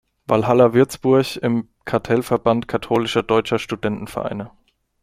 Walhalla Würzburg im Kartellverband katholischer deutscher Studentenvereine.